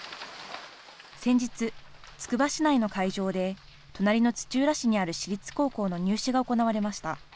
先日、つくば市内の会場で隣の土浦市にある私立高校の入試が行われました。